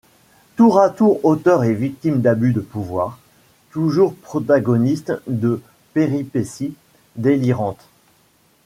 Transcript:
Tour à tour auteurs et victimes d'abus de pouvoir, toujours protagonistes de péripéties délirantes.